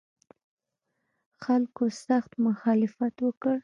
خلکو سخت مخالفت وکړ.